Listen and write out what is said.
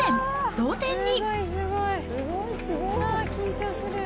同点に。